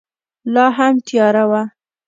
لا هم تیاره وه.